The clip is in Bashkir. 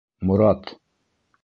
Морат!..